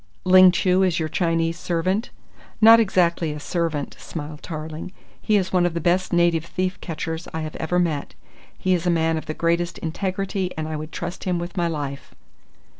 "Ling Chu is your Chinese servant?" "Not exactly a servant," smiled Tarling. "He is one of the best native thief catchers I have ever met. He is a man of the greatest integrity and I would trust him with my life."